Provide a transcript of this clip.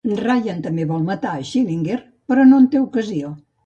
Ryan també vol matar Schillinger, però no en té ocasió.